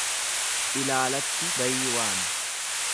Ilaalatti bayii waami.